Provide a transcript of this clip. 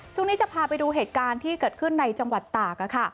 ช่วงนี้จะพาไปดูเหตุการณ์ที่เกิดขึ้นในจังหวัดตาก